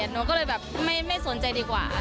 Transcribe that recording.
หนูก็เลยแบบไม่สนใจดีกว่า